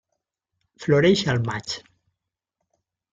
Floreix al maig.